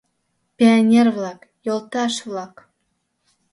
— Пионер-влак, йолташ-влак!